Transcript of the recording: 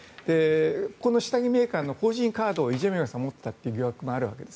この下着メーカーの法人カードをイ・ジェミョンさんが持っていたという疑惑があるんです。